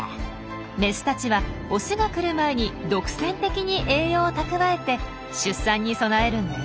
メスたちはオスが来る前に独占的に栄養を蓄えて出産に備えるんです。